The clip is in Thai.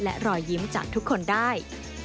และรอยยิ้มจากทุกคนได้